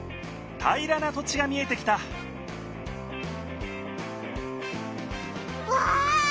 平らな土地が見えてきたわあ！